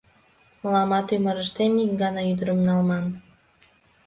Мыламат ӱмырыштем ик гана ӱдырым налман.